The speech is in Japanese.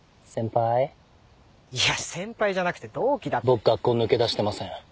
僕学校抜け出してません。